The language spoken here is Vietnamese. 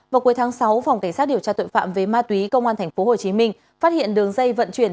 vào cuối tháng sáu phòng cảnh sát điều tra tội phạm về ma túy công an tp hcm phát hiện đường dây vận chuyển